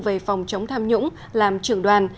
về phòng chống tham nhũng làm trưởng đoàn